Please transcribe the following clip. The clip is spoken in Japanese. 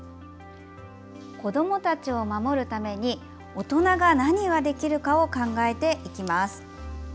子どもたちを守るために大人が何ができるかを考えていきます。